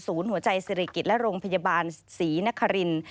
หัวใจสิริกิจและโรงพยาบาลศรีนคริน